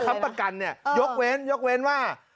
ค้ำประกันเนี่ยยกเว้นว่า